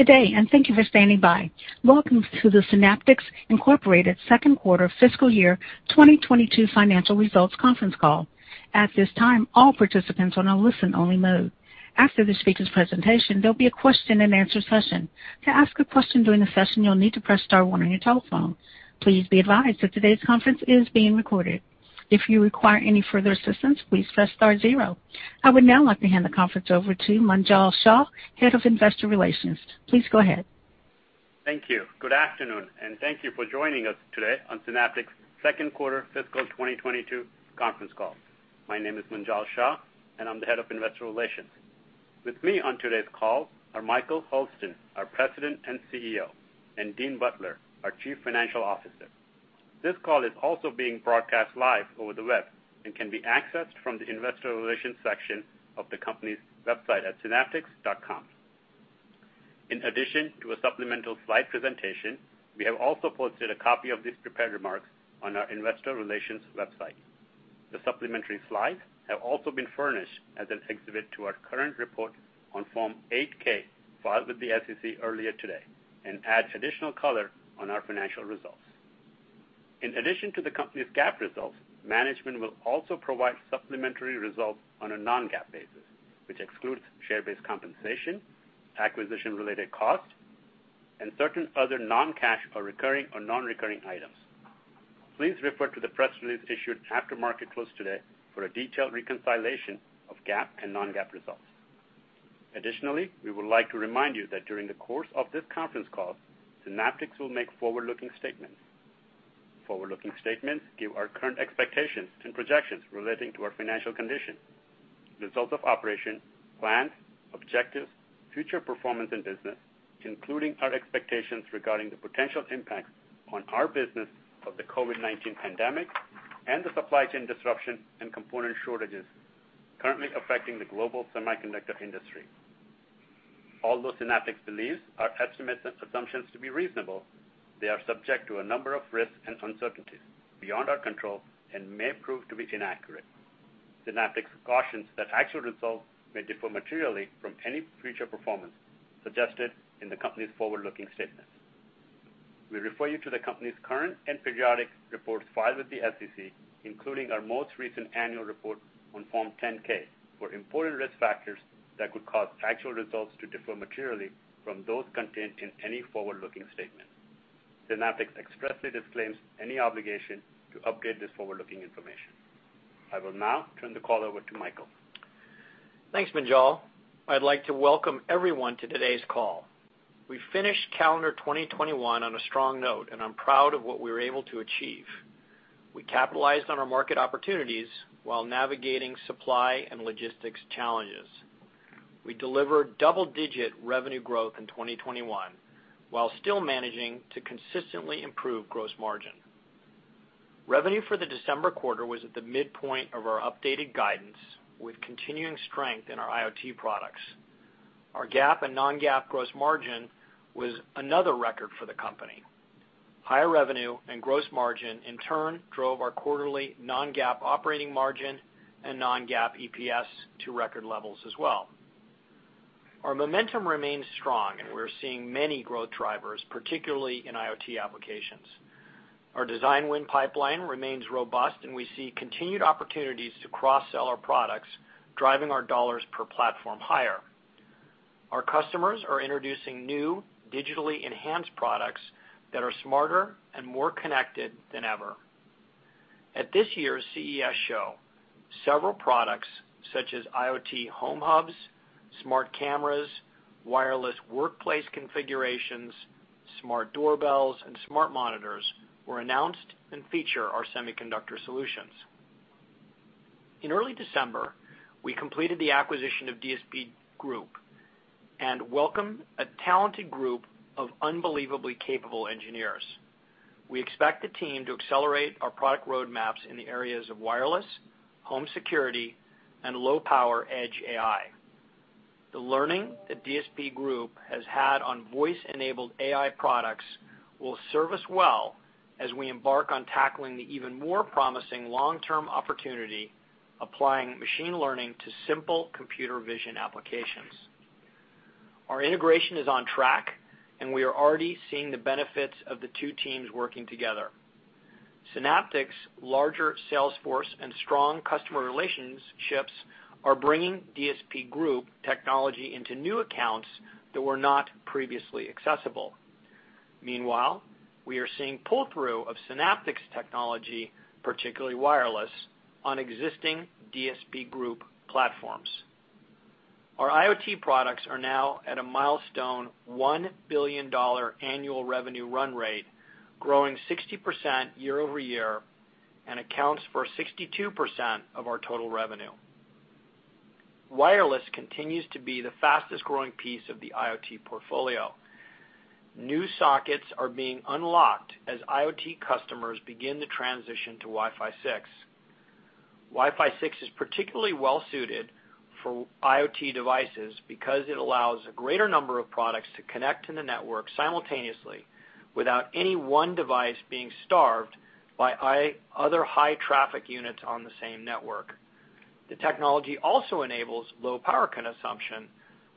Good day, and thank you for standing by. Welcome to the Synaptics Incorporated second quarter fiscal year 2022 financial results conference call. At this time, all participants are on a listen only mode. After the speaker's presentation, there'll be a question and answer session. To ask a question during the session, you'll need to press star one on your telephone. Please be advised that today's conference is being recorded. If you require any further assistance, please press star zero. I would now like to hand the conference over to Munjal Shah, Head of Investor Relations. Please go ahead. Thank you. Good afternoon, and thank you for joining us today on Synaptics second quarter fiscal 2022 conference call. My name is Munjal Shah, and I'm the Head of Investor Relations. With me on today's call are Michael Hurlston, our President and CEO, and Dean Butler, our Chief Financial Officer. This call is also being broadcast live over the web and can be accessed from the investor relations section of the company's website at synaptics.com. In addition to a supplemental slide presentation, we have also posted a copy of these prepared remarks on our investor relations website. The supplementary slides have also been furnished as an exhibit to our current report on Form 8-K filed with the SEC earlier today and adds additional color on our financial results. In addition to the company's GAAP results, management will also provide supplementary results on a non-GAAP basis, which excludes share-based compensation, acquisition-related costs, and certain other non-cash or recurring or non-recurring items. Please refer to the press release issued after market close today for a detailed reconciliation of GAAP and non-GAAP results. Additionally, we would like to remind you that during the course of this conference call, Synaptics will make forward-looking statements. Forward-looking statements give our current expectations and projections relating to our financial condition, results of operation, plans, objectives, future performance and business, including our expectations regarding the potential impacts on our business of the COVID-19 pandemic and the supply chain disruption and component shortages currently affecting the global semiconductor industry. Although Synaptics believes our estimates and assumptions to be reasonable, they are subject to a number of risks and uncertainties beyond our control and may prove to be inaccurate. Synaptics cautions that actual results may differ materially from any future performance suggested in the company's forward-looking statements. We refer you to the company's current and periodic reports filed with the SEC, including our most recent annual report on Form 10-K for important risk factors that could cause actual results to differ materially from those contained in any forward-looking statement. Synaptics expressly disclaims any obligation to update this forward-looking information. I will now turn the call over to Michael. Thanks, Munjal. I'd like to welcome everyone to today's call. We finished calendar 2021 on a strong note, and I'm proud of what we were able to achieve. We capitalized on our market opportunities while navigating supply and logistics challenges. We delivered double-digit revenue growth in 2021, while still managing to consistently improve gross margin. Revenue for the December quarter was at the midpoint of our updated guidance, with continuing strength in our IoT products. Our GAAP and non-GAAP gross margin was another record for the company. Higher revenue and gross margin in turn drove our quarterly non-GAAP operating margin and non-GAAP EPS to record levels as well. Our momentum remains strong, and we're seeing many growth drivers, particularly in IoT applications. Our design win pipeline remains robust, and we see continued opportunities to cross-sell our products, driving our dollars per platform higher. Our customers are introducing new digitally enhanced products that are smarter and more connected than ever. At this year's CES show, several products, such as IoT home hubs, smart cameras, wireless workplace configurations, smart doorbells, and smart monitors, were announced and feature our semiconductor solutions. In early December, we completed the acquisition of DSP Group and welcomed a talented group of unbelievably capable engineers. We expect the team to accelerate our product roadmaps in the areas of wireless, home security, and low-power edge AI. The learning that DSP Group has had on voice-enabled AI products will serve us well as we embark on tackling the even more promising long-term opportunity applying machine learning to simple computer vision applications. Our integration is on track, and we are already seeing the benefits of the two teams working together. Synaptics' larger sales force and strong customer relationships are bringing DSP Group technology into new accounts that were not previously accessible. Meanwhile, we are seeing pull-through of Synaptics technology, particularly wireless, on existing DSP Group platforms. Our IoT products are now at a milestone $1 billion annual revenue run rate, growing 60% year-over-year and accounts for 62% of our total revenue. Wireless continues to be the fastest-growing piece of the IoT portfolio. New sockets are being unlocked as IoT customers begin the transition to Wi-Fi 6. Wi-Fi 6 is particularly well-suited for IoT devices because it allows a greater number of products to connect to the network simultaneously without any one device being starved by other high-traffic units on the same network. The technology also enables low power consumption,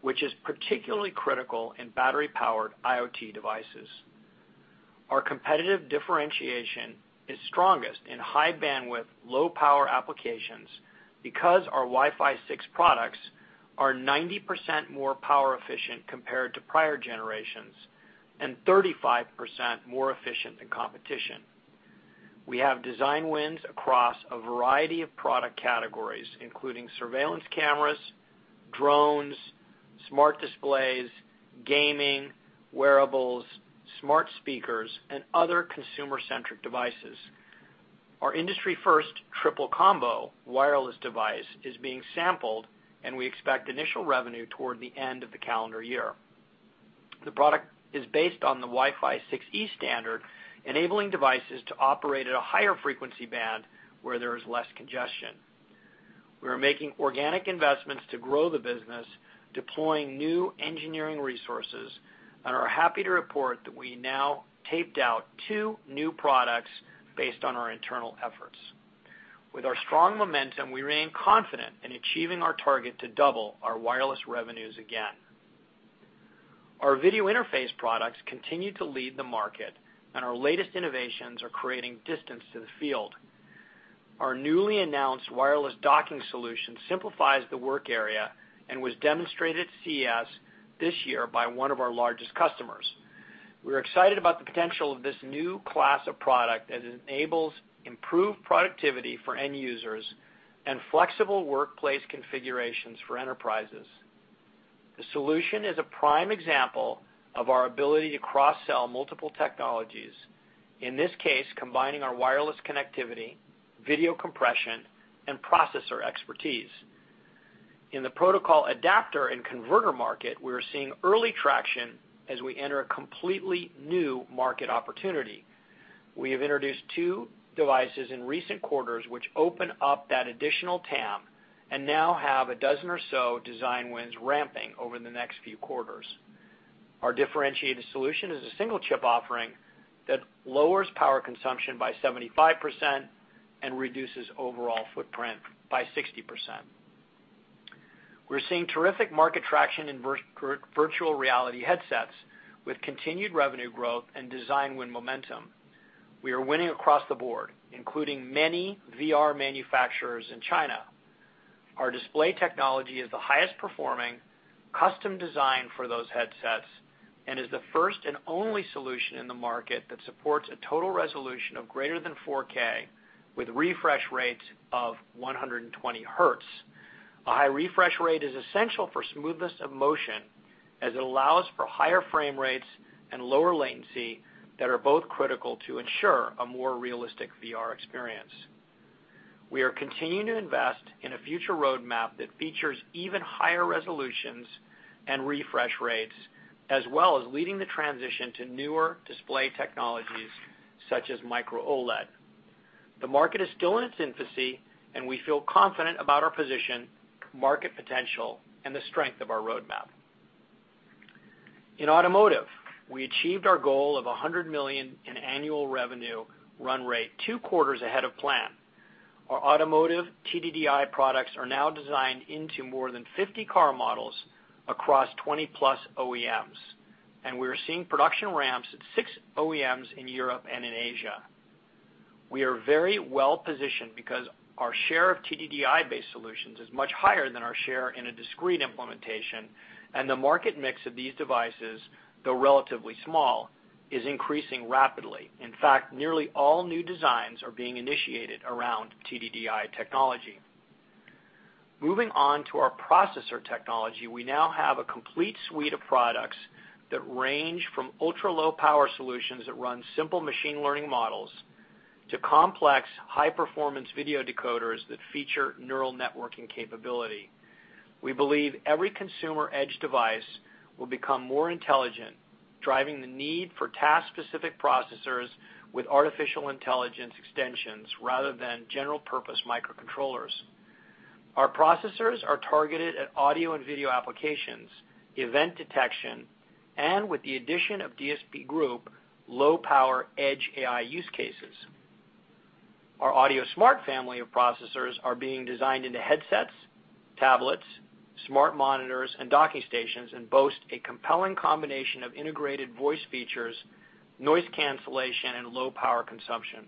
which is particularly critical in battery powered IoT devices. Our competitive differentiation is strongest in high bandwidth, low power applications because our Wi-Fi 6 products are 90% more power efficient compared to prior generations and 35% more efficient than competition. We have design wins across a variety of product categories, including surveillance cameras, drones, smart displays, gaming, wearables, smart speakers, and other consumer-centric devices. Our industry first Triple Combo wireless device is being sampled and we expect initial revenue toward the end of the calendar year. The product is based on the Wi-Fi 6E standard, enabling devices to operate at a higher frequency band where there is less congestion. We are making organic investments to grow the business, deploying new engineering resources, and are happy to report that we now taped out two new products based on our internal efforts. With our strong momentum, we remain confident in achieving our target to double our wireless revenues again. Our video interface products continue to lead the market, and our latest innovations are creating distance to the field. Our newly announced wireless docking solution simplifies the work area and was demonstrated at CES this year by one of our largest customers. We're excited about the potential of this new class of product as it enables improved productivity for end users and flexible workplace configurations for enterprises. The solution is a prime example of our ability to cross sell multiple technologies, in this case, combining our wireless connectivity, video compression, and processor expertise. In the protocol adapter and converter market, we are seeing early traction as we enter a completely new market opportunity. We have introduced two devices in recent quarters which open up that additional TAM and now have a dozen or so design wins ramping over the next few quarters. Our differentiated solution is a single chip offering that lowers power consumption by 75% and reduces overall footprint by 60%. We're seeing terrific market traction in virtual reality headsets with continued revenue growth and design win momentum. We are winning across the board, including many VR manufacturers in China. Our display technology is the highest performing, custom designed for those headsets, and is the first and only solution in the market that supports a total resolution of greater than 4K with refresh rates of 120 Hz. A high refresh rate is essential for smoothness of motion as it allows for higher frame rates and lower latency that are both critical to ensure a more realistic VR experience. We are continuing to invest in a future roadmap that features even higher resolutions and refresh rates, as well as leading the transition to newer display technologies such as Micro OLED. The market is still in its infancy, and we feel confident about our position, market potential, and the strength of our roadmap. In automotive, we achieved our goal of $100 million in annual revenue run rate two quarters ahead of plan. Our automotive TDDI products are now designed into more than 50 car models across 20+ OEMs, and we are seeing production ramps at 6 OEMs in Europe and in Asia. We are very well positioned because our share of TDDI based solutions is much higher than our share in a discrete implementation, and the market mix of these devices, though relatively small, is increasing rapidly. In fact, nearly all new designs are being initiated around TDDI technology. Moving on to our processor technology, we now have a complete suite of products that range from ultra low power solutions that run simple machine learning models to complex high performance video decoders that feature neural networking capability. We believe every consumer edge device will become more intelligent, driving the need for task specific processors with artificial intelligence extensions rather than general purpose microcontrollers. Our processors are targeted at audio and video applications, event detection, and with the addition of DSP Group, low power edge AI use cases. Our AudioSmart family of processors are being designed into headsets, tablets, smart monitors, and docking stations, and boast a compelling combination of integrated voice features, noise cancellation, and low power consumption.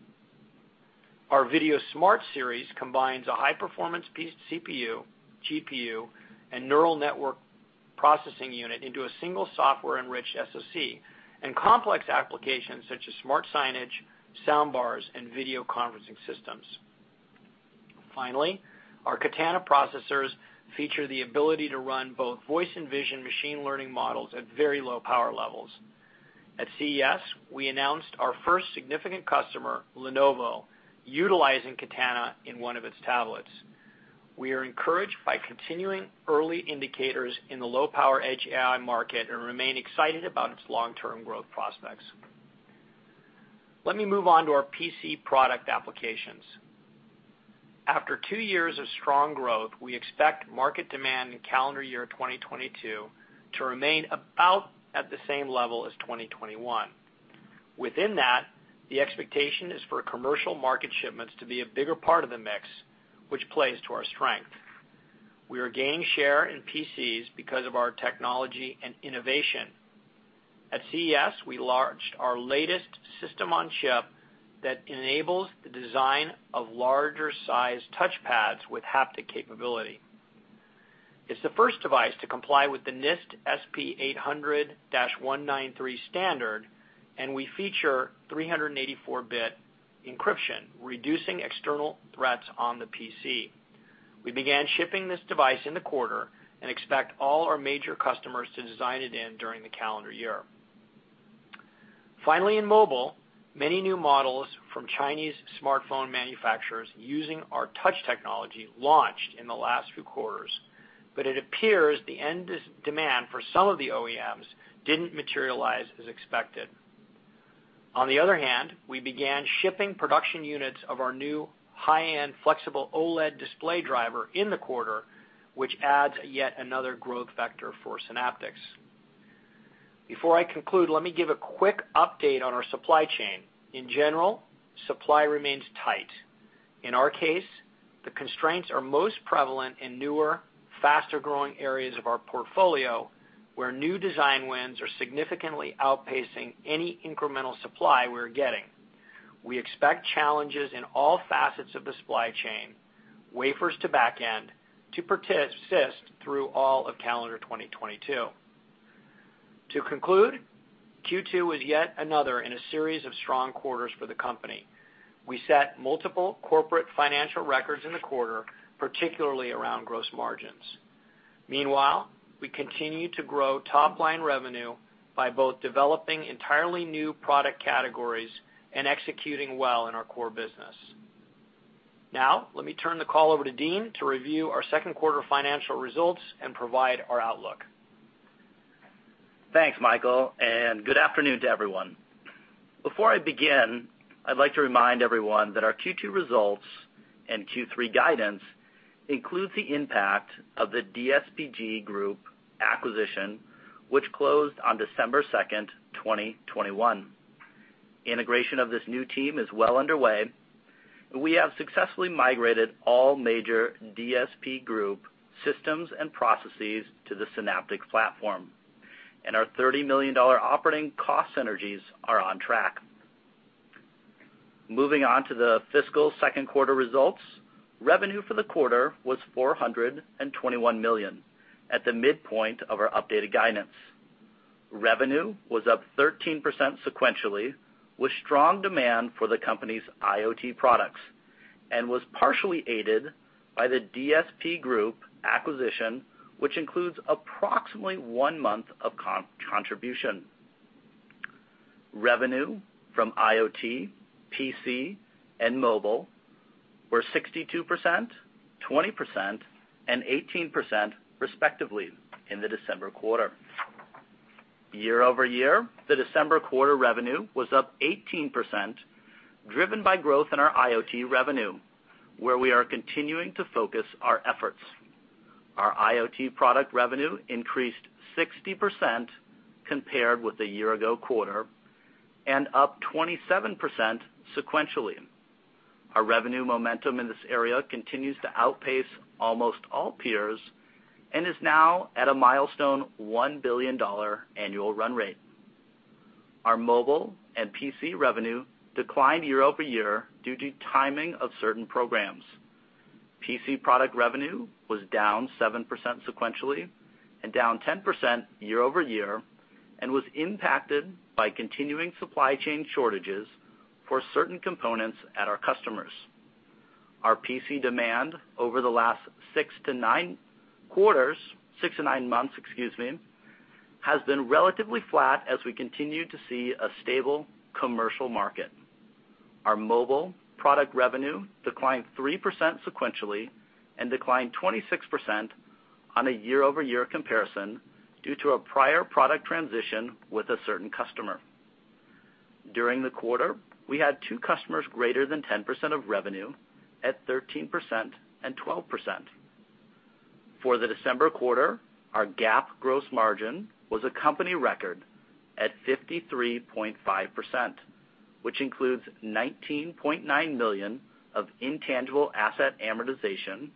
Our VideoSmart series combines a high-performance RISC CPU, GPU, and neural network processing unit into a single software-enriched SoC in complex applications such as smart signage, sound bars, and video conferencing systems. Finally, our Katana processors feature the ability to run both voice and vision machine learning models at very low power levels. At CES, we announced our first significant customer, Lenovo, utilizing Katana in one of its tablets. We are encouraged by continuing early indicators in the low-power edge AI market and remain excited about its long-term growth prospects. Let me move on to our PC product applications. After two years of strong growth, we expect market demand in calendar year 2022 to remain about at the same level as 2021. Within that, the expectation is for commercial market shipments to be a bigger part of the mix, which plays to our strength. We are gaining share in PCs because of our technology and innovation. At CES, we launched our latest system-on-chip that enables the design of larger size touch pads with haptic capability. It's the first device to comply with the NIST SP 800-193 standard, and we feature 384-bit encryption, reducing external threats on the PC. We began shipping this device in the quarter and expect all our major customers to design it in during the calendar year. Finally, in mobile, many new models from Chinese smartphone manufacturers using our touch technology launched in the last few quarters, but it appears the end demand for some of the OEMs didn't materialize as expected. On the other hand, we began shipping production units of our new high-end flexible OLED display driver in the quarter, which adds yet another growth vector for Synaptics. Before I conclude, let me give a quick update on our supply chain. In general, supply remains tight. In our case, the constraints are most prevalent in newer, faster-growing areas of our portfolio, where new design wins are significantly outpacing any incremental supply we're getting. We expect challenges in all facets of the supply chain, wafers to back-end, to persist through all of calendar 2022. To conclude, Q2 was yet another in a series of strong quarters for the company. We set multiple corporate financial records in the quarter, particularly around gross margins. Meanwhile, we continue to grow top-line revenue by both developing entirely new product categories and executing well in our core business. Now, let me turn the call over to Dean to review our second quarter financial results and provide our outlook. Thanks, Michael, and good afternoon to everyone. Before I begin, I'd like to remind everyone that our Q2 results and Q3 guidance includes the impact of the DSP Group acquisition, which closed on December 2, 2021. Integration of this new team is well underway. We have successfully migrated all major DSP Group systems and processes to the Synaptics platform, and our $30 million operating cost synergies are on track. Moving on to the fiscal second quarter results. Revenue for the quarter was $421 million, at the midpoint of our updated guidance. Revenue was up 13% sequentially, with strong demand for the company's IoT products, and was partially aided by the DSP Group acquisition, which includes approximately one month of contribution. Revenue from IoT, PC, and mobile were 62%, 20%, and 18% respectively in the December quarter. Year-over-year, the December quarter revenue was up 18%, driven by growth in our IoT revenue, where we are continuing to focus our efforts. Our IoT product revenue increased 60% compared with the year-ago quarter and up 27% sequentially. Our revenue momentum in this area continues to outpace almost all peers and is now at a milestone $1 billion annual run rate. Our mobile and PC revenue declined year-over-year due to timing of certain programs. PC product revenue was down 7% sequentially and down 10% year-over-year and was impacted by continuing supply chain shortages for certain components at our customers. Our PC demand over the last six to nine months, excuse me, has been relatively flat as we continue to see a stable commercial market. Our mobile product revenue declined 3% sequentially and declined 26% on a year-over-year comparison due to a prior product transition with a certain customer. During the quarter, we had two customers greater than 10% of revenue at 13% and 12%. For the December quarter, our GAAP gross margin was a company record at 53.5%, which includes $19.9 million of intangible asset amortization,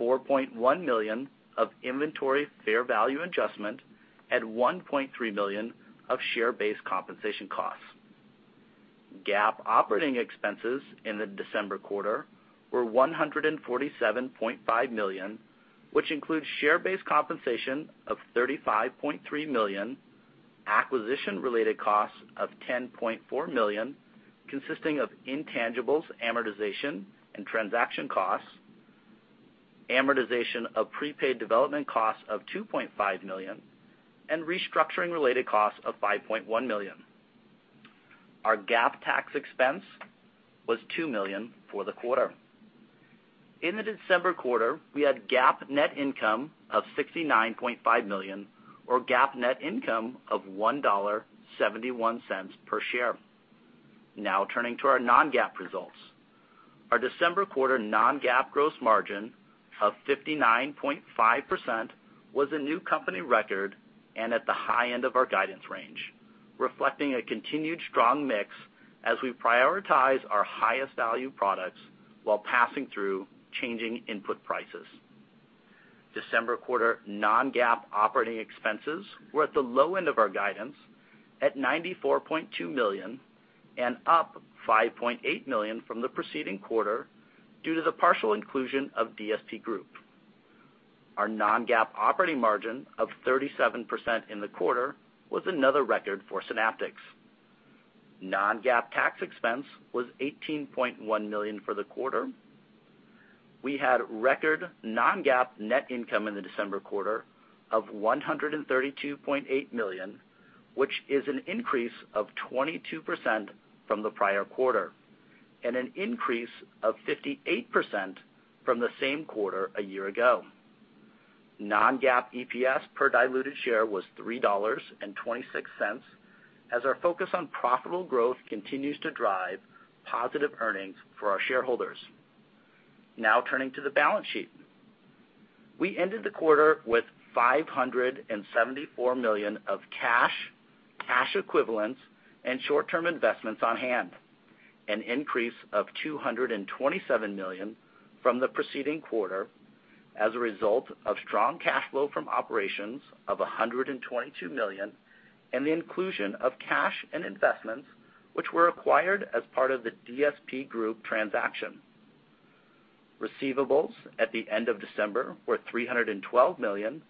$4.1 million of inventory fair value adjustment, and $1.3 million of share-based compensation costs. GAAP operating expenses in the December quarter were $147.5 million, which includes share-based compensation of $35.3 million, acquisition-related costs of $10.4 million consisting of intangibles, amortization, and transaction costs, amortization of prepaid development costs of $2.5 million, and restructuring related costs of $5.1 million. Our GAAP tax expense was $2 million for the quarter. In the December quarter, we had GAAP net income of $69.5 million, or GAAP net income of $1.71 per share. Now turning to our non-GAAP results. Our December quarter non-GAAP gross margin of 59.5% was a new company record and at the high end of our guidance range, reflecting a continued strong mix as we prioritize our highest value products while passing through changing input prices. December quarter non-GAAP operating expenses were at the low end of our guidance at $94.2 million and up $5.8 million from the preceding quarter due to the partial inclusion of DSP Group. Our non-GAAP operating margin of 37% in the quarter was another record for Synaptics. Non-GAAP tax expense was $18.1 million for the quarter. We had record non-GAAP net income in the December quarter of $132.8 million, which is an increase of 22% from the prior quarter, and an increase of 58% from the same quarter a year ago. Non-GAAP EPS per diluted share was $3.26, as our focus on profitable growth continues to drive positive earnings for our shareholders. Now turning to the balance sheet. We ended the quarter with $574 million of cash equivalents, and short-term investments on hand, an increase of $227 million from the preceding quarter as a result of strong cash flow from operations of $122 million and the inclusion of cash and investments which were acquired as part of the DSP Group transaction. Receivables at the end of December were $312 million,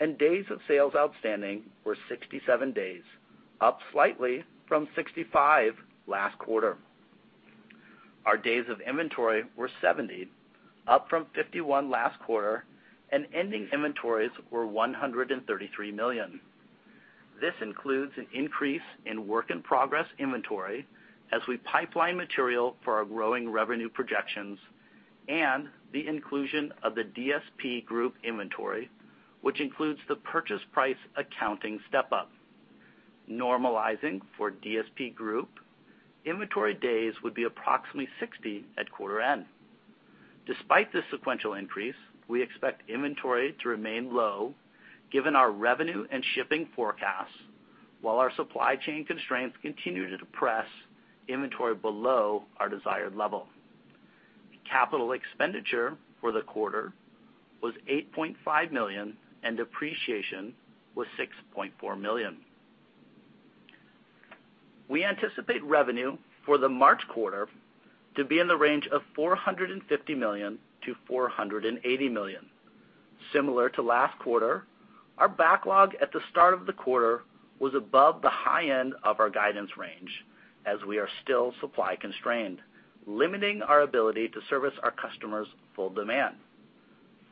and days of sales outstanding were 67 days, up slightly from 65 last quarter. Our days of inventory were 70, up from 51 last quarter, and ending inventories were $133 million. This includes an increase in work in progress inventory as we pipeline material for our growing revenue projections and the inclusion of the DSP Group inventory, which includes the purchase price accounting step-up. Normalizing for DSP Group, inventory days would be approximately 60 at quarter end. Despite this sequential increase, we expect inventory to remain low given our revenue and shipping forecasts, while our supply chain constraints continue to depress inventory below our desired level. Capital expenditure for the quarter was $8.5 million, and depreciation was $6.4 million. We anticipate revenue for the March quarter to be in the range of $450 million-$480 million. Similar to last quarter, our backlog at the start of the quarter was above the high end of our guidance range, as we are still supply constrained, limiting our ability to service our customers' full demand.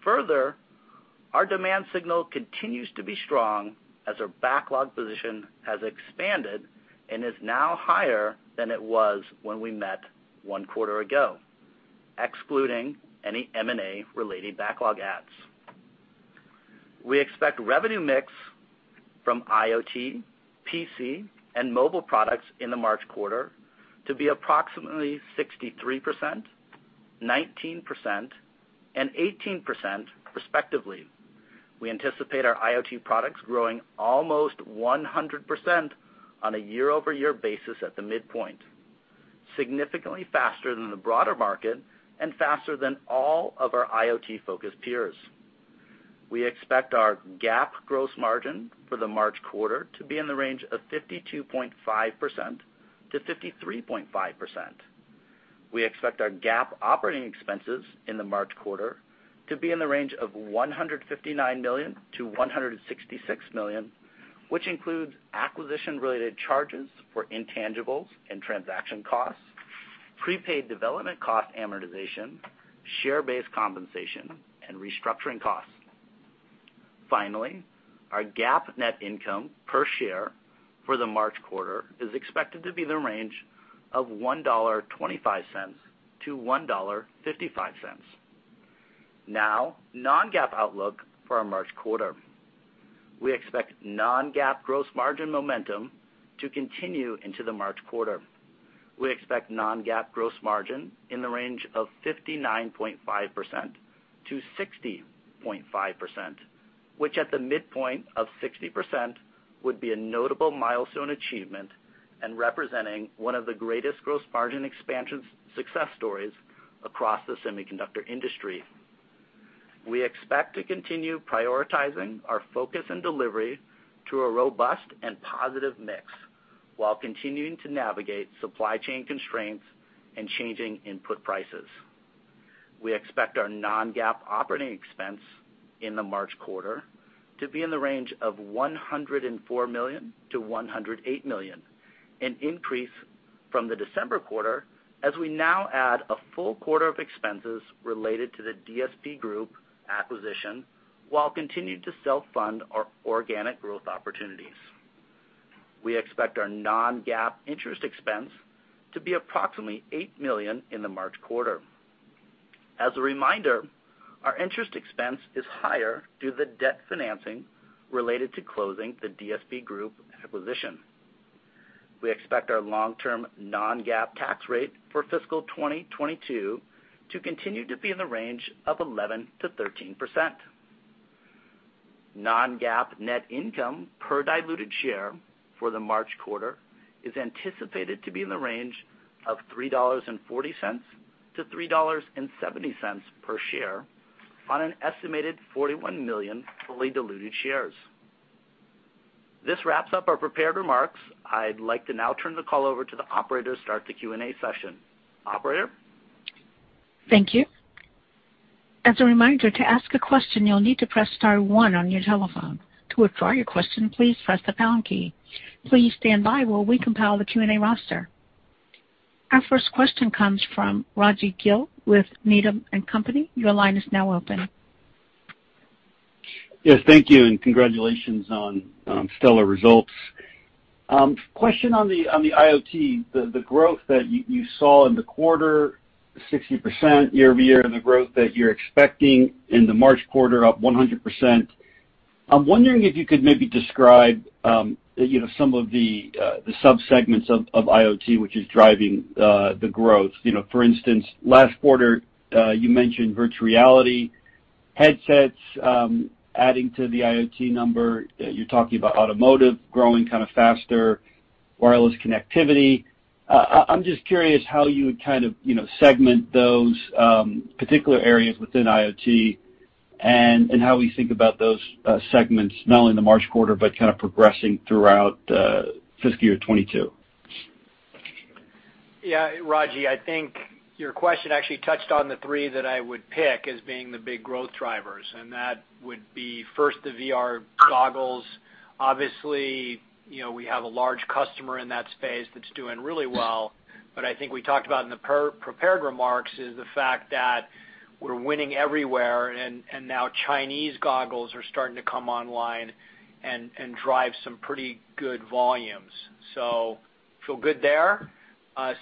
Further, our demand signal continues to be strong as our backlog position has expanded and is now higher than it was when we met one quarter ago, excluding any M&A related backlog adds. We expect revenue mix from IoT, PC, and mobile products in the March quarter to be approximately 63%, 19%, and 18% respectively. We anticipate our IoT products growing almost 100% on a year-over-year basis at the midpoint, significantly faster than the broader market and faster than all of our IoT-focused peers. We expect our GAAP gross margin for the March quarter to be in the range of 52.5%-53.5%. We expect our GAAP operating expenses in the March quarter to be in the range of $159 million-$166 million, which includes acquisition-related charges for intangibles and transaction costs, prepaid development cost amortization, share-based compensation, and restructuring costs. Finally, our GAAP net income per share for the March quarter is expected to be in the range of $1.25-$1.55. Now, non-GAAP outlook for our March quarter. We expect non-GAAP gross margin momentum to continue into the March quarter. We expect non-GAAP gross margin in the range of 59.5%-60.5%, which at the midpoint of 60% would be a notable milestone achievement and representing one of the greatest gross margin expansion success stories across the semiconductor industry. We expect to continue prioritizing our focus and delivery to a robust and positive mix while continuing to navigate supply chain constraints and changing input prices. We expect our non-GAAP operating expense in the March quarter to be in the range of $104 million-$108 million, an increase from the December quarter as we now add a full quarter of expenses related to the DSP Group acquisition while continuing to self-fund our organic growth opportunities. We expect our non-GAAP interest expense to be approximately $8 million in the March quarter. As a reminder, our interest expense is higher due to debt financing related to closing the DSP Group acquisition. We expect our long-term non-GAAP tax rate for fiscal 2022 to continue to be in the range of 11%-13%. Non-GAAP net income per diluted share for the March quarter is anticipated to be in the range of $3.40-$3.70 per share on an estimated 41 million fully diluted shares. This wraps up our prepared remarks. I'd like to now turn the call over to the operator to start the Q&A session. Operator? Thank you. As a reminder, to ask a question, you'll need to press star one on your telephone. To withdraw your question, please press the pound key. Please stand by while we compile the Q&A roster. Our first question comes from Rajvindra Gill with Needham & Company. Your line is now open. Yes, thank you, and congratulations on stellar results. Question on the IoT, the growth that you saw in the quarter, 60% year-over-year, and the growth that you're expecting in the March quarter, up 100%. I'm wondering if you could maybe describe, you know, some of the sub-segments of IoT which is driving the growth. You know, for instance, last quarter, you mentioned virtual reality headsets, adding to the IoT number. You're talking about automotive growing kind of faster, wireless connectivity. I'm just curious how you would kind of, you know, segment those particular areas within IoT and how we think about those segments, not only in the March quarter but kind of progressing throughout fiscal year 2022. Yeah, Raji, I think your question actually touched on the three that I would pick as being the big growth drivers, and that would be first the VR goggles. Obviously, you know, we have a large customer in that space that's doing really well, but I think we talked about in the pre-prepared remarks is the fact that we're winning everywhere and now Chinese goggles are starting to come online and drive some pretty good volumes. So feel good there.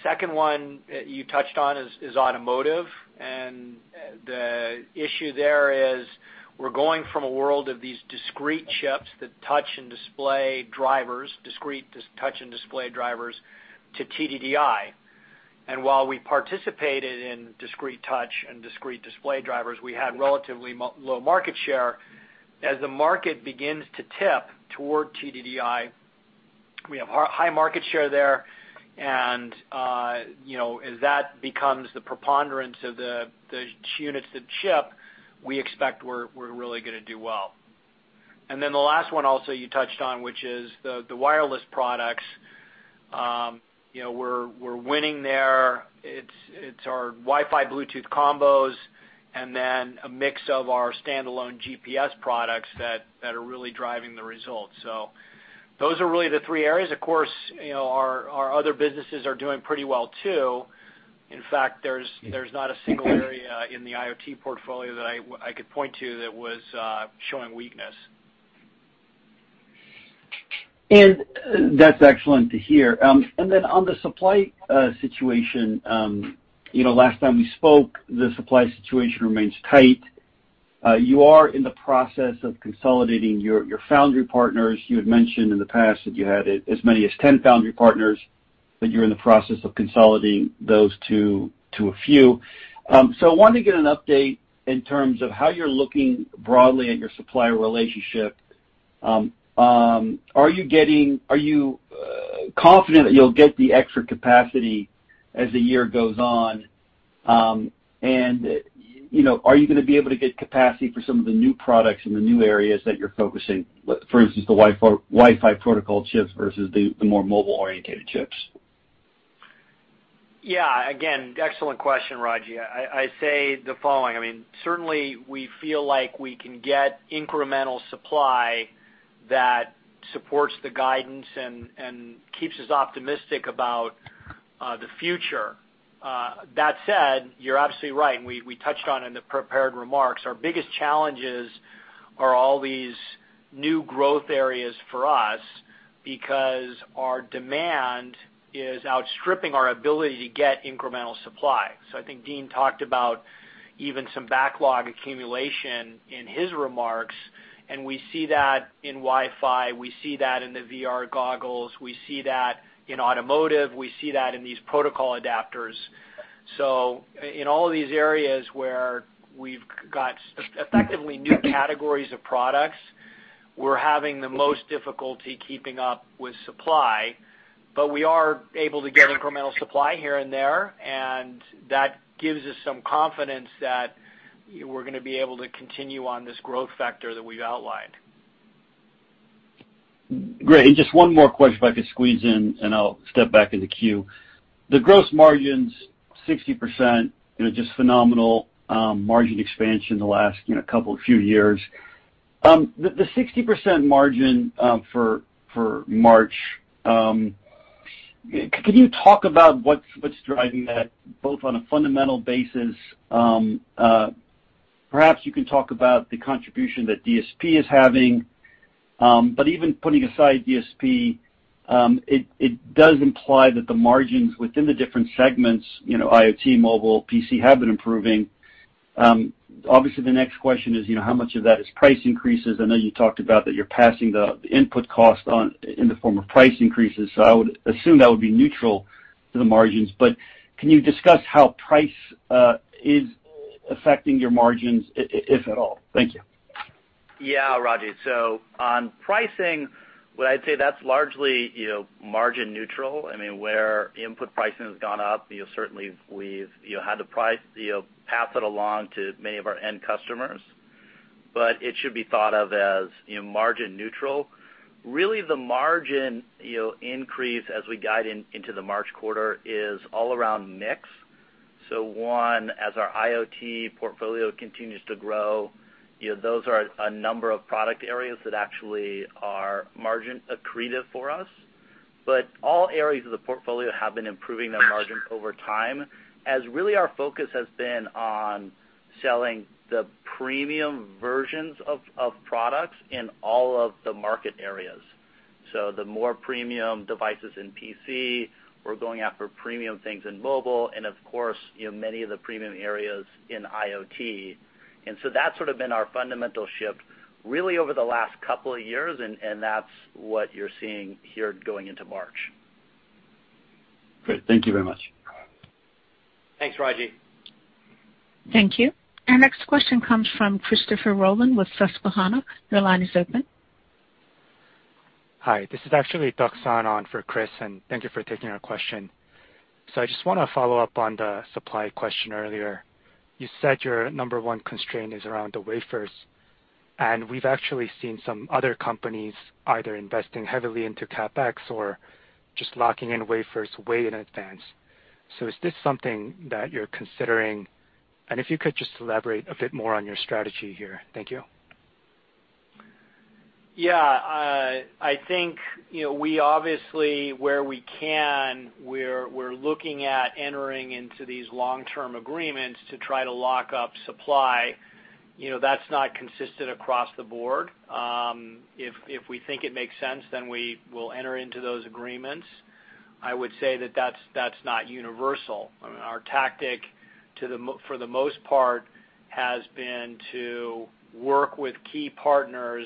Second one that you touched on is automotive. The issue there is we're going from a world of these discrete chips that touch and display drivers, discrete touch and display drivers, to TDDI. While we participated in discrete touch and discrete display drivers, we had relatively low market share. As the market begins to tip toward TDDI, we have high market share there. You know, as that becomes the preponderance of the units that ship, we expect we're really gonna do well. Then the last one also you touched on, which is the wireless products. We're winning there. It's our Wi-Fi/Bluetooth combos and then a mix of our standalone GPS products that are really driving the results. Those are really the three areas. Of course, you know, our other businesses are doing pretty well too. In fact, there's not a single area in the IoT portfolio that I could point to that was showing weakness. That's excellent to hear. On the supply situation, you know, last time we spoke, the supply situation remains tight. You are in the process of consolidating your foundry partners. You had mentioned in the past that you had as many as 10 foundry partners, but you're in the process of consolidating those to a few. I wanted to get an update in terms of how you're looking broadly at your supplier relationship. Are you confident that you'll get the extra capacity as the year goes on? You know, are you gonna be able to get capacity for some of the new products in the new areas that you're focusing, for instance, the Wi-Fi protocol chips versus the more mobile-oriented chips? Yeah. Again, excellent question, Raji Gill. I say the following. I mean, certainly, we feel like we can get incremental supply that supports the guidance and keeps us optimistic about the future. That said, you're absolutely right, and we touched on it in the prepared remarks. Our biggest challenges are all these new growth areas for us because our demand is outstripping our ability to get incremental supply. I think Dean talked about even some backlog accumulation in his remarks, and we see that in Wi-Fi, we see that in the VR goggles, we see that in automotive, we see that in these protocol adapters. In all of these areas where we've got effectively new categories of products, we're having the most difficulty keeping up with supply. We are able to get incremental supply here and there, and that gives us some confidence that we're gonna be able to continue on this growth factor that we've outlined. Great. Just one more question if I could squeeze in, and I'll step back in the queue. The gross margins, 60%, you know, just phenomenal, margin expansion in the last couple of years. The 60% margin for March, can you talk about what's driving that, both on a fundamental basis, perhaps you can talk about the contribution that DSP is having. But even putting aside DSP, it does imply that the margins within the different segments, you know, IoT, mobile, PC, have been improving. Obviously the next question is, you know, how much of that is price increases? I know you talked about that you're passing the input cost on in the form of price increases, so I would assume that would be neutral to the margins. Can you discuss how price is affecting your margins, if at all? Thank you. Yeah, Raji. On pricing, what I'd say that's largely, you know, margin neutral. I mean, where input pricing has gone up, you know, certainly we've, you know, had to price, you know, pass it along to many of our end customers. But it should be thought of as, you know, margin neutral. Really, the margin, you know, increase as we guide into the March quarter is all around mix. One, as our IoT portfolio continues to grow, you know, those are a number of product areas that actually are margin accretive for us. All areas of the portfolio have been improving their margin over time, as really our focus has been on selling the premium versions of products in all of the market areas. The more premium devices in PC, we're going after premium things in mobile and of course, you know, many of the premium areas in IoT. That's sort of been our fundamental shift really over the last couple of years, and that's what you're seeing here going into March. Great. Thank you very much. Thanks, Raji. Thank you. Our next question comes from Christopher Rolland with Susquehanna. Your line is open. Hi. This is actually Tak San on for Chris, and thank you for taking our question. I just wanna follow up on the supply question earlier. You said your number one constraint is around the wafers, and we've actually seen some other companies either investing heavily into CapEx or just locking in wafers way in advance. Is this something that you're considering? If you could just elaborate a bit more on your strategy here. Thank you. Yeah. I think, you know, we obviously, where we can, we're looking at entering into these long-term agreements to try to lock up supply. You know, that's not consistent across the board. If we think it makes sense, then we will enter into those agreements. I would say that that's not universal. I mean, our tactic for the most part has been to work with key partners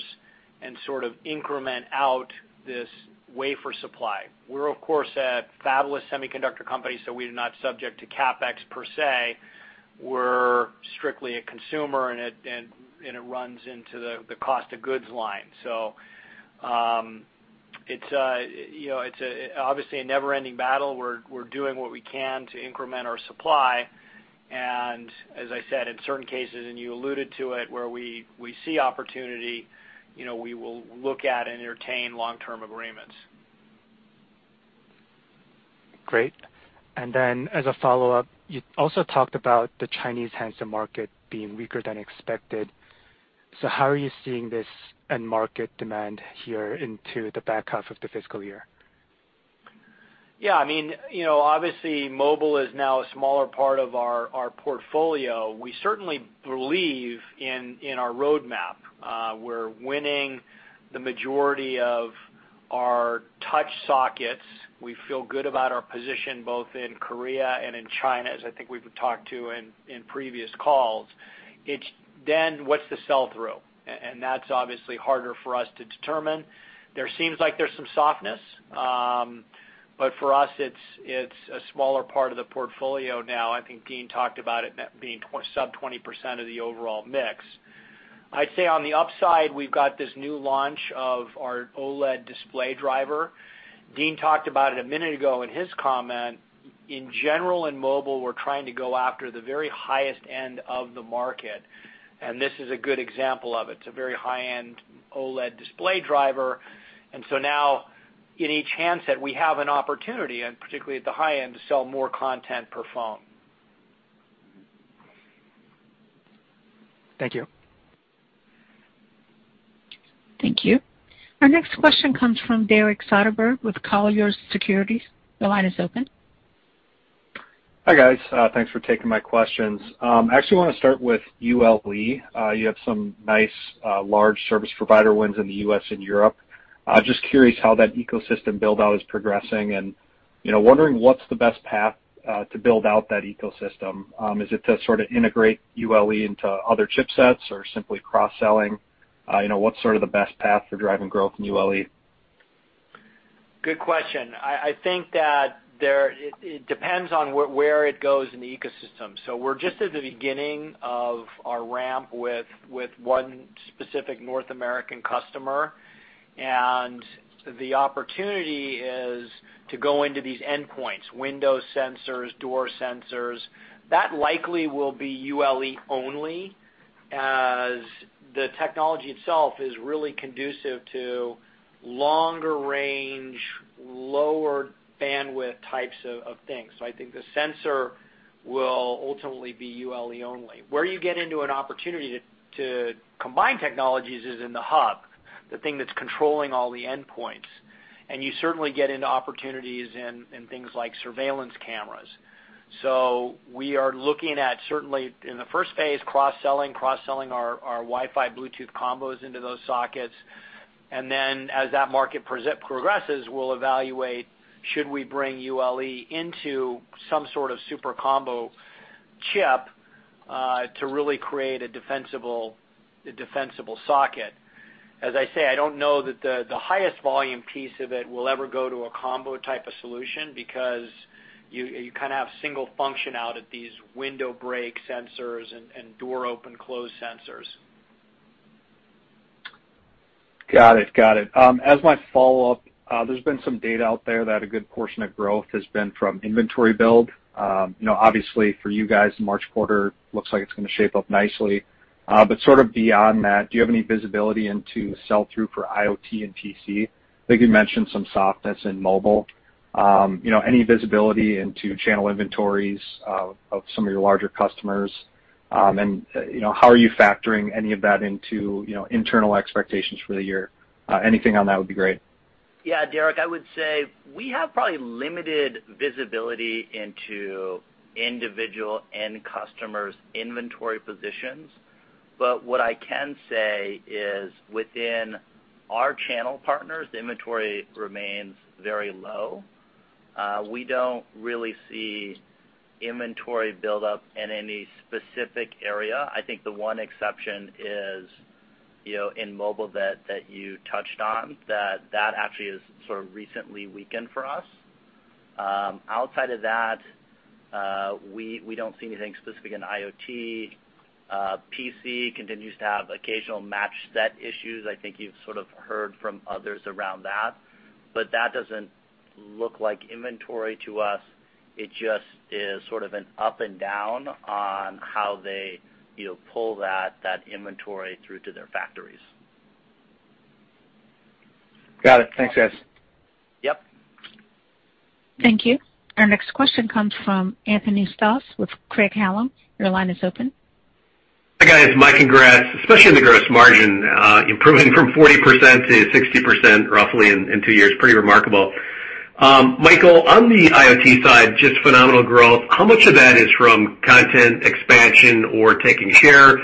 and sort of increment out this wafer supply. We're of course a fabless semiconductor company, so we are not subject to CapEx per se. We're strictly a consumer, and it runs into the cost of goods line. It's obviously a never-ending battle. We're doing what we can to increment our supply, and as I said, in certain cases, and you alluded to it, where we see opportunity, you know, we will look at and entertain long-term agreements. Great. As a follow-up, you also talked about the Chinese handset market being weaker than expected. How are you seeing this end market demand here into the back half of the fiscal year? Yeah, I mean, you know, obviously mobile is now a smaller part of our portfolio. We certainly believe in our roadmap. We're winning the majority of our touch sockets. We feel good about our position both in Korea and in China, as I think we've talked about in previous calls. It's then what's the sell-through? And that's obviously harder for us to determine. There seems like there's some softness. But for us it's a smaller part of the portfolio now. I think Dean talked about it being sub 20% of the overall mix. I'd say on the upside, we've got this new launch of our OLED display driver. Dean talked about it a minute ago in his comment. In general, in mobile we're trying to go after the very highest end of the market, and this is a good example of it. It's a very high-end OLED display driver. Now in each handset we have an opportunity, and particularly at the high end, to sell more content per phone. Thank you. Thank you. Our next question comes from Derek Soderberg with Colliers Securities. Your line is open. Hi guys, thanks for taking my questions. I actually wanna start with ULE. You have some nice large service provider wins in the U.S. and Europe. Just curious how that ecosystem build-out is progressing and, you know, wondering what's the best path to build out that ecosystem. Is it to sort of integrate ULE into other chipsets or simply cross-selling? You know, what's sort of the best path for driving growth in ULE? Good question. I think it depends on where it goes in the ecosystem. We're just at the beginning of our ramp with one specific North American customer, and the opportunity is to go into these endpoints, window sensors, door sensors. That likely will be ULE only, as the technology itself is really conducive to longer range, lower bandwidth types of things. I think the sensor will ultimately be ULE only. Where you get into an opportunity to combine technologies is in the hub, the thing that's controlling all the endpoints, and you certainly get into opportunities in things like surveillance cameras. We are looking at, certainly in the first phase, cross-selling our Wi-Fi Bluetooth combos into those sockets. And then as that market progresses, we'll evaluate should we bring ULE into some sort of super combo chip to really create a defensible socket. As I say, I don't know that the highest volume piece of it will ever go to a combo type of solution because you kind of have single function out at these window break sensors and door open-close sensors. Got it. As my follow-up, there's been some data out there that a good portion of growth has been from inventory build. You know, obviously for you guys, the March quarter looks like it's gonna shape up nicely. Sort of beyond that, do you have any visibility into sell-through for IoT and PC? I think you mentioned some softness in mobile. You know, any visibility into channel inventories of some of your larger customers? You know, how are you factoring any of that into internal expectations for the year? Anything on that would be great. Yeah, Derek, I would say we have probably limited visibility into individual end customers' inventory positions. What I can say is within our channel partners, the inventory remains very low. We don't really see inventory buildup in any specific area. I think the one exception is, you know, in mobile that you touched on, that actually has sort of recently weakened for us. Outside of that, we don't see anything specific in IoT. PC continues to have occasional match set issues. I think you've sort of heard from others around that. That doesn't look like inventory to us. It just is sort of an up and down on how they, you know, pull that inventory through to their factories. Got it. Thanks, guys. Yep. Thank you. Our next question comes from Anthony Stoss with Craig-Hallum. Your line is open. Hi, guys. My congrats, especially on the gross margin improving from 40% to 60% roughly in two years, pretty remarkable. Michael, on the IoT side, just phenomenal growth. How much of that is from content expansion or taking share?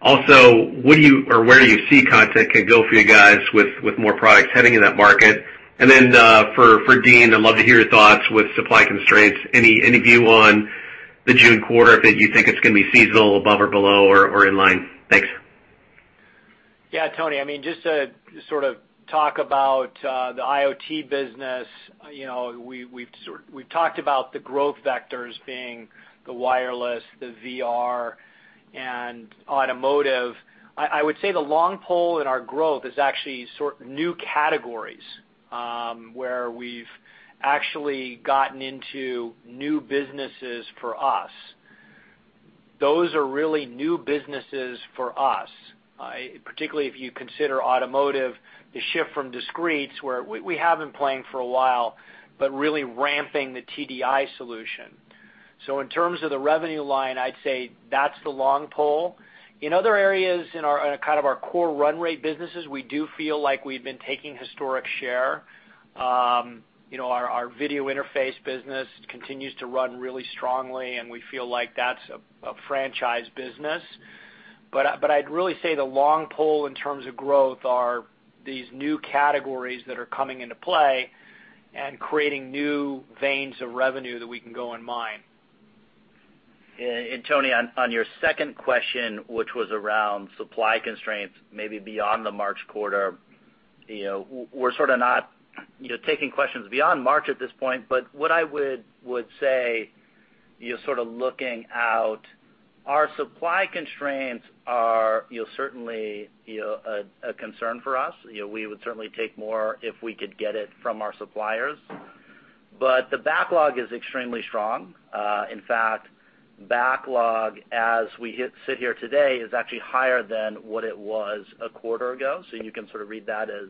Also, what do you or where do you see content can go for you guys with more products heading in that market? For Dean, I'd love to hear your thoughts with supply constraints. Any view on the June quarter if you think it's gonna be seasonal above or below or in line? Thanks. Tony, I mean, just to sort of talk about the IoT business, we've talked about the growth vectors being the wireless, the VR, and automotive. I would say the long pole in our growth is actually new categories, where we've actually gotten into new businesses for us. Those are really new businesses for us. Particularly if you consider automotive, the shift from discretes, where we have been playing for a while, but really ramping the TDDI solution. In terms of the revenue line, I'd say that's the long pole. In other areas in kind of our core run rate businesses, we do feel like we've been taking historic share. Our video interface business continues to run really strongly, and we feel like that's a franchise business. I'd really say the long pole in terms of growth are these new categories that are coming into play and creating new veins of revenue that we can go and mine. Yeah. Tony, on your second question, which was around supply constraints, maybe beyond the March quarter, you know, we're sort of not, you know, taking questions beyond March at this point. But what I would say, you know, sort of looking out, our supply constraints are, you know, certainly, you know, a concern for us. You know, we would certainly take more if we could get it from our suppliers. But the backlog is extremely strong. In fact, backlog, as we sit here today, is actually higher than what it was a quarter ago. You can sort of read that as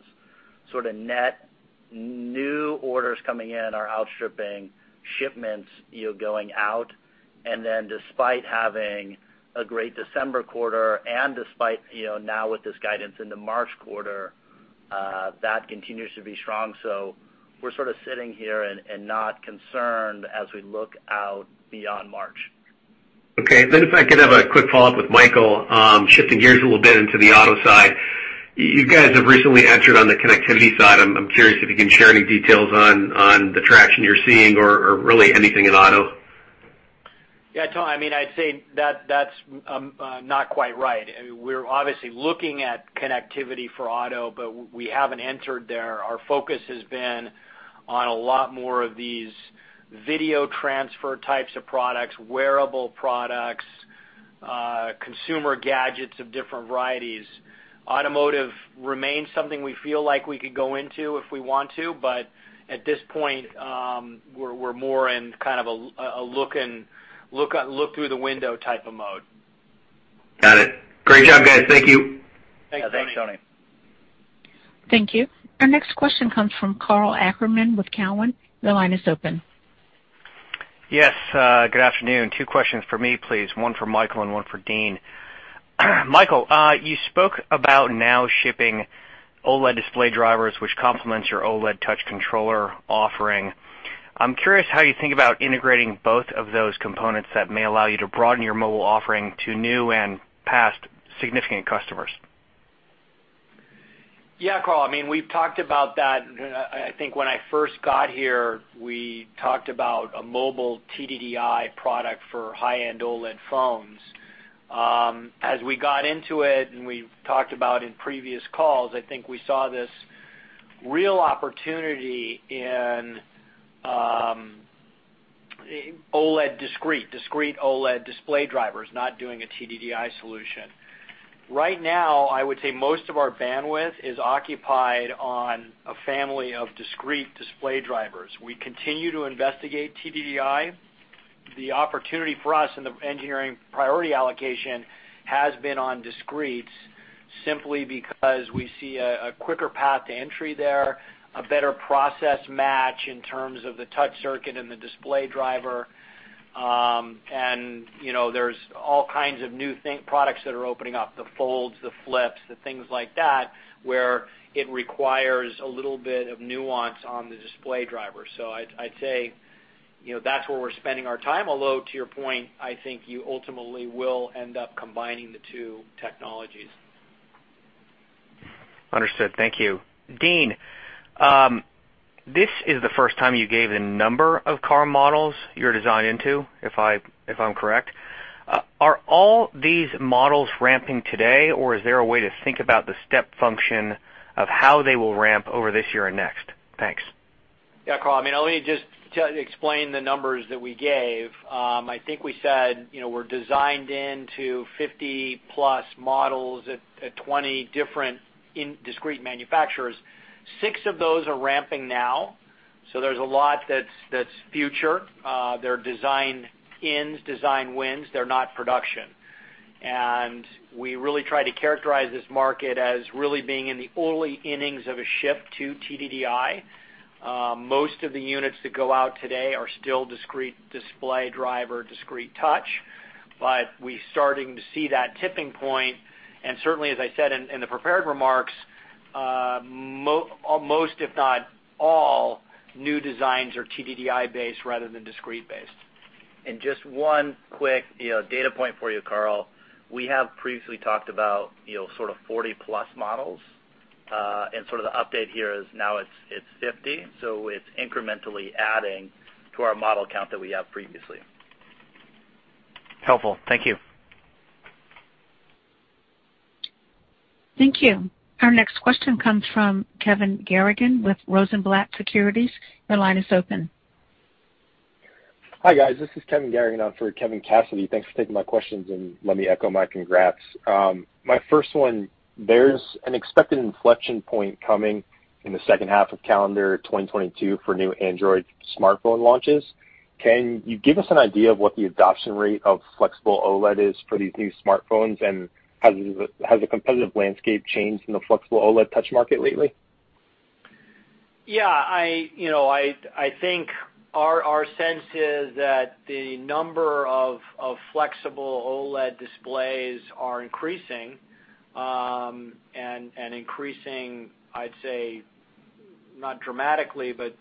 sort of net new orders coming in are outstripping shipments, you know, going out. Then despite having a great December quarter and despite, you know, now with this guidance in the March quarter, that continues to be strong. We're sort of sitting here and not concerned as we look out beyond March. Okay. If I could have a quick follow-up with Michael, shifting gears a little bit into the auto side. You guys have recently entered on the connectivity side. I'm curious if you can share any details on the traction you're seeing or really anything in auto. Yeah, Tony. I mean, I'd say that's not quite right. I mean, we're obviously looking at connectivity for auto, but we haven't entered there. Our focus has been on a lot more of these video transfer types of products, wearable products, consumer gadgets of different varieties. Automotive remains something we feel like we could go into if we want to, but at this point, we're more in kind of a look through the window type of mode. Got it. Great job, guys. Thank you. Thanks, Tony. Yeah, thanks, Tony. Thank you. Our next question comes from Karl Ackerman with Cowen. Your line is open. Yes, good afternoon. Two questions for me, please. One for Michael and one for Dean. Michael, you spoke about now shipping OLED display drivers, which complements your OLED touch controller offering. I'm curious how you think about integrating both of those components that may allow you to broaden your mobile offering to new and perhaps significant customers. Yeah, Karl, I mean, we've talked about that. I think when I first got here, we talked about a mobile TDDI product for high-end OLED phones. As we got into it, and we've talked about in previous calls, I think we saw this real opportunity in OLED discrete OLED display drivers, not doing a TDDI solution. Right now, I would say most of our bandwidth is occupied on a family of discrete display drivers. We continue to investigate TDDI. The opportunity for us in the engineering priority allocation has been on discretes simply because we see a quicker path to entry there, a better process match in terms of the touch circuit and the display driver. You know, there's all kinds of new products that are opening up, the folds, the flips, the things like that, where it requires a little bit of nuance on the display driver. I'd say, you know, that's where we're spending our time, although to your point, I think you ultimately will end up combining the two technologies. Understood. Thank you. Dean, this is the first time you gave a number of car models you're designed into, if I'm correct. Are all these models ramping today, or is there a way to think about the step function of how they will ramp over this year and next? Thanks. Yeah, Karl. I mean, let me just explain the numbers that we gave. I think we said, you know, we're designed into 50+ models at 20 different discrete manufacturers. Six of those are ramping now, so there's a lot that's future. They're design-ins, design wins. They're not production. We really try to characterize this market as really being in the early innings of a shift to TDDI. Most of the units that go out today are still discrete display driver, discrete touch. We're starting to see that tipping point. Certainly, as I said in the prepared remarks, most, if not all, new designs are TDDI-based rather than discrete-based. Just one quick, you know, data point for you, Karl. We have previously talked about, you know, sort of 40+ models, and sort of the update here is now it's 50. It's incrementally adding to our model count that we have previously. Helpful. Thank you. Thank you. Our next question comes from Kevin Garrigan with Rosenblatt Securities. Your line is open. Hi, guys. This is Kevin Garrigan on for Kevin Cassidy. Thanks for taking my questions, and let me echo my congrats. My first one, there's an expected inflection point coming in the second half of calendar 2022 for new Android smartphone launches. Can you give us an idea of what the adoption rate of flexible OLED is for these new smartphones? Has the competitive landscape changed in the flexible OLED touch market lately? Yeah, you know, I think our sense is that the number of flexible OLED displays are increasing, I'd say not dramatically, but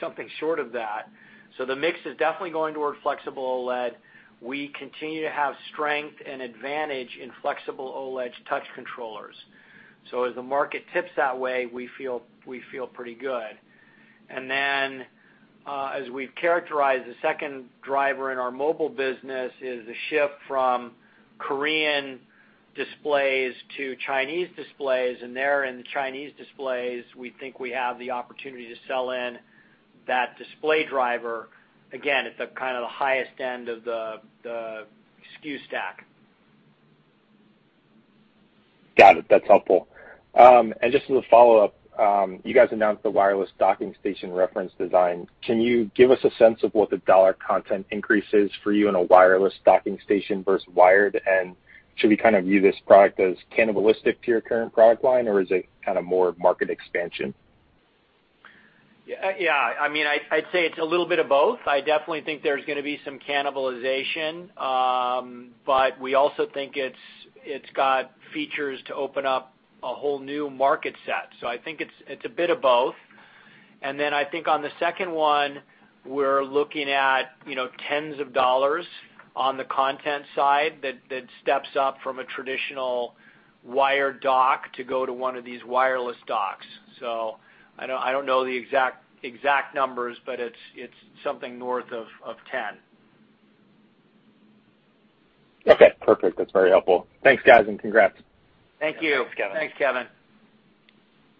something short of that. The mix is definitely going toward flexible OLED. We continue to have strength and advantage in flexible OLED touch controllers. As the market tips that way, we feel pretty good. As we've characterized, the second driver in our mobile business is the shift from Korean displays to Chinese displays. There in the Chinese displays, we think we have the opportunity to sell in that display driver, again, at the kind of the highest end of the SKU stack. Got it. That's helpful. Just as a follow-up, you guys announced the wireless docking station reference design. Can you give us a sense of what the dollar content increase is for you in a wireless docking station versus wired? Should we kind of view this product as cannibalistic to your current product line, or is it kind of more market expansion? Yeah. I mean, I'd say it's a little bit of both. I definitely think there's gonna be some cannibalization. But we also think it's got features to open up a whole new market set. I think it's a bit of both. I think on the second one, we're looking at, you know, tens of dollars on the content side that steps up from a traditional wired dock to one of these wireless docks. I don't know the exact numbers, but it's something north of $10. Okay. Perfect. That's very helpful. Thanks, guys, and congrats. Thank you. Thanks, Kevin. Thanks, Kevin.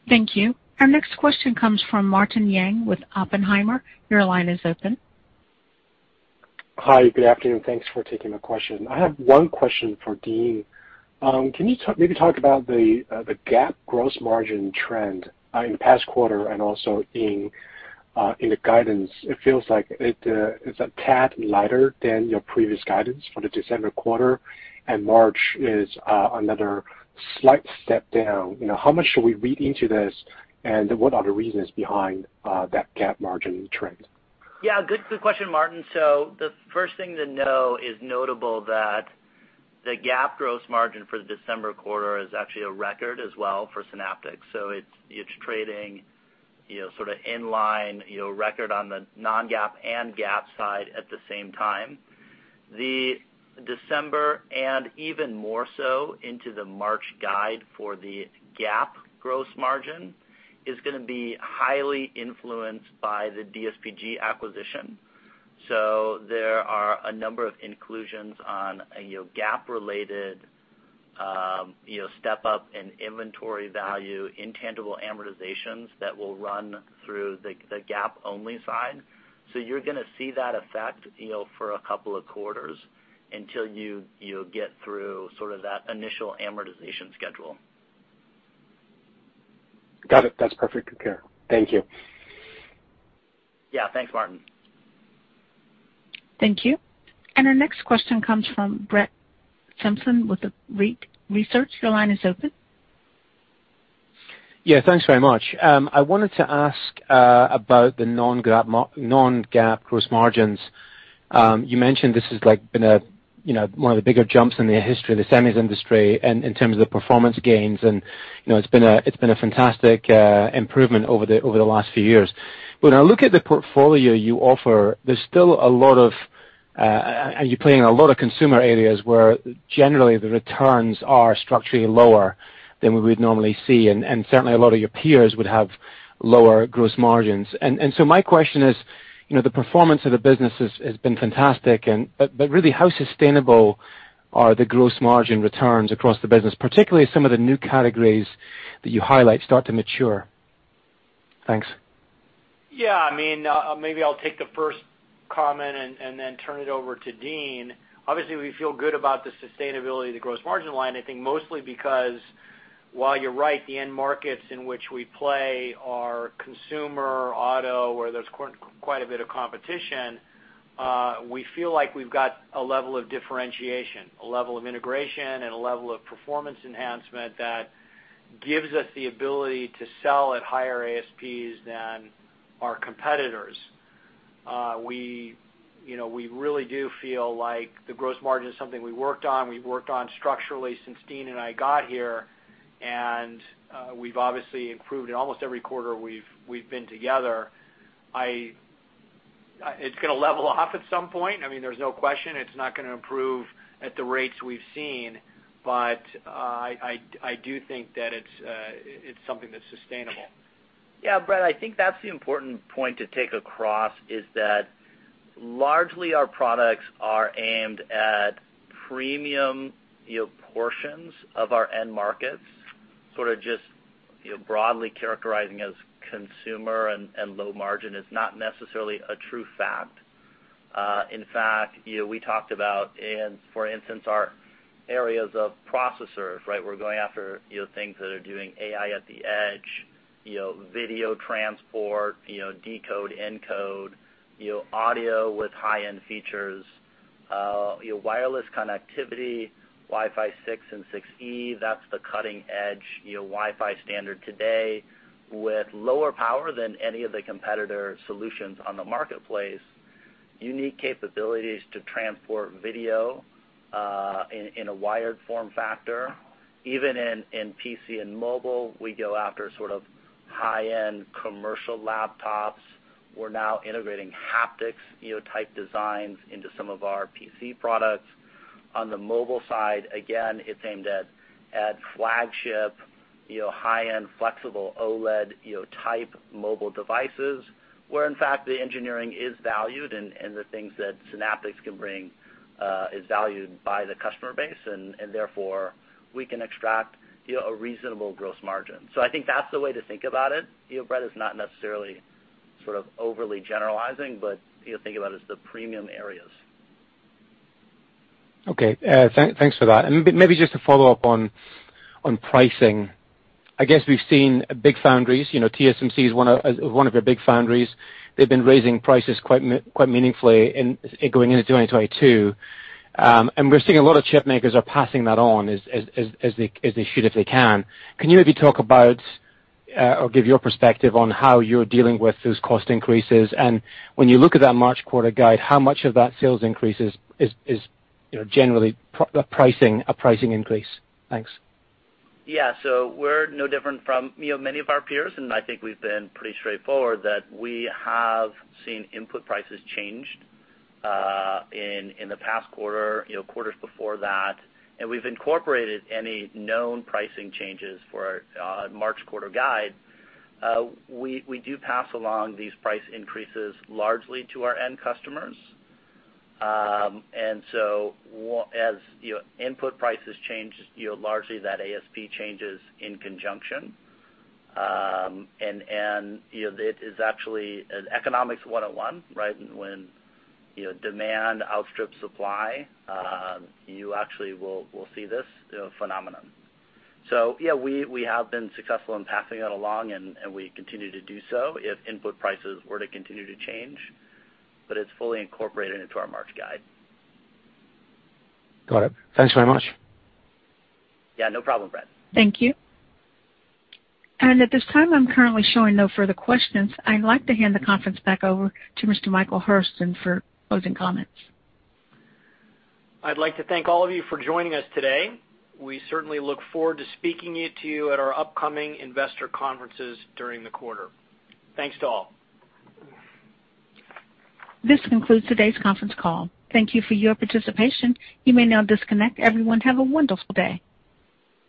Thank you. Our next question comes from Martin Yang with Oppenheimer. Your line is open. Hi. Good afternoon. Thanks for taking my question. I have one question for Dean. Can you maybe talk about the GAAP gross margin trend in the past quarter and also in the guidance? It feels like it is a tad lighter than your previous guidance for the December quarter, and March is another slight step down. You know, how much should we read into this, and what are the reasons behind that GAAP margin trend? Yeah, good question, Martin. The first thing to know is it's notable that the GAAP gross margin for the December quarter is actually a record as well for Synaptics. It's trading, you know, sort of in line, you know, record on the non-GAAP and GAAP side at the same time. The December, and even more so into the March guide for the GAAP gross margin, is gonna be highly influenced by the DSPG acquisition. There are a number of inclusions on, you know, GAAP-related, you know, step-up in inventory value, intangible amortizations that will run through the GAAP-only side. You're gonna see that effect, you know, for a couple of quarters until you get through sort of that initial amortization schedule. Got it. That's perfectly clear. Thank you. Yeah, thanks Martin. Thank you. Our next question comes from Brett Simpson with Arete Research. Your line is open. Yeah, thanks very much. I wanted to ask about the non-GAAP gross margins. You mentioned this has, like, been a, you know, one of the bigger jumps in the history of the semis industry and in terms of the performance gains. You know, it's been a fantastic improvement over the last few years. When I look at the portfolio you offer, you play in a lot of consumer areas where generally the returns are structurally lower than we would normally see, and certainly a lot of your peers would have lower gross margins. My question is, you know, the performance of the business has been fantastic, but really how sustainable are the gross margin returns across the business, particularly as some of the new categories that you highlight start to mature? Thanks. Yeah, I mean, maybe I'll take the first comment and then turn it over to Dean. Obviously, we feel good about the sustainability of the gross margin line. I think mostly because while you're right, the end markets in which we play are consumer auto, where there's quite a bit of competition, we feel like we've got a level of differentiation, a level of integration, and a level of performance enhancement that gives us the ability to sell at higher ASPs than our competitors. You know, we really do feel like the gross margin is something we worked on. We've worked on it structurally since Dean and I got here, and we've obviously improved in almost every quarter we've been together. It's gonna level off at some point. I mean, there's no question it's not gonna improve at the rates we've seen, but I do think that it's something that's sustainable. Yeah, Brett, I think that's the important takeaway is that largely our products are aimed at premium, you know, portions of our end markets. Sort of just, you know, broadly characterizing as consumer and low margin is not necessarily a true fact. In fact, you know, we talked about, for instance, our areas of processors, right? We're going after, you know, things that are doing AI at the edge, you know, video transport, you know, decode, encode, you know, audio with high-end features, you know, wireless connectivity, Wi-Fi 6 and Wi-Fi 6E. That's the cutting edge, you know, Wi-Fi standard today with lower power than any of the competitor solutions on the marketplace. Unique capabilities to transport video in a wired form factor. Even in PC and mobile, we go after sort of high-end commercial laptops. We're now integrating haptics, you know, type designs into some of our PC products. On the mobile side, again, it's aimed at flagship, you know, high-end flexible OLED, you know, type mobile devices, where in fact the engineering is valued and the things that Synaptics can bring is valued by the customer base and therefore we can extract, you know, a reasonable gross margin. I think that's the way to think about it. You know, Brett, it's not necessarily sort of overly generalizing, but, you know, think about it as the premium areas. Okay. Thanks for that. Maybe just to follow up on pricing. I guess we've seen big foundries, you know, TSMC is one of your big foundries. They've been raising prices quite meaningfully in going into 2022. We're seeing a lot of chip makers are passing that on as they should if they can. Can you maybe talk about or give your perspective on how you're dealing with those cost increases? When you look at that March quarter guide, how much of that sales increases is, you know, generally a pricing increase? Thanks. Yeah. We're no different from, you know, many of our peers, and I think we've been pretty straightforward that we have seen input prices changed in the past quarter, you know, quarters before that, and we've incorporated any known pricing changes for our March quarter guide. We do pass along these price increases largely to our end customers. As you know, input prices change, you know, largely that ASP changes in conjunction. You know, it is actually economics 101, right? When you know, demand outstrips supply, you actually will see this phenomenon. Yeah, we have been successful in passing that along and we continue to do so if input prices were to continue to change, but it's fully incorporated into our March guide. Got it. Thanks very much. Yeah, no problem, Brett. Thank you. At this time, I'm currently showing no further questions. I'd like to hand the conference back over to Mr. Michael Hurlston for closing comments. I'd like to thank all of you for joining us today. We certainly look forward to speaking with you at our upcoming investor conferences during the quarter. Thanks to all. This concludes today's conference call. Thank you for your participation. You may now disconnect. Everyone, have a wonderful day.